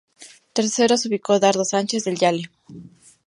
Tercero se ubicó Dardo Sánchez del Yale.